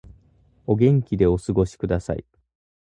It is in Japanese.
お元気でお過ごしください。